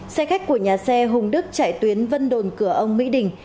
xe khách của nhà xe hùng đức chạy tuyến vân đồn cửa ông mỹ đình